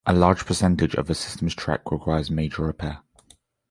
A large percentage of the system's track requires major repair.